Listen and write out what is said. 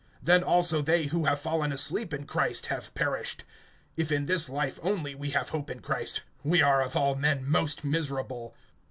(18)Then also they who have fallen asleep in Christ have perished. (19)If in this life only we have hope in Christ, we are of all men most miserable.